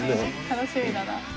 楽しみだな。